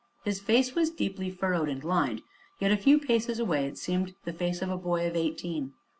His face was deeply furrowed and lined, yet a few paces away it seemed the face of a boy of eighteen.